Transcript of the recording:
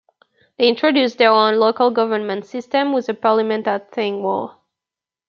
They introduced their own local government system with a parliament at Thingwall.